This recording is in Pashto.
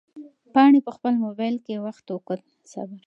پاڼې په خپل موبایل کې وخت وکوت.